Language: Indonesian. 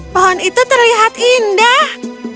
pohon itu terlihat indah